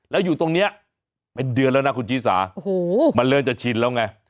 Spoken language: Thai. แล้วอยู่ตรงนี้เป็นเดือนแล้วนะคุณชีสาโอ้โหมันเริ่มจะชินแล้วไง